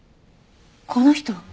この人！